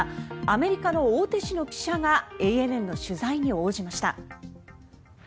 アメリカの大手紙の記者がＡＮＮの取材に応じました。